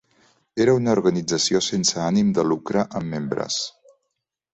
Era una organització sense ànim de lucre amb membres.